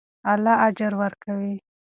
الله اجر ورکوي.